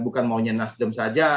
bukan maunya nasdem saja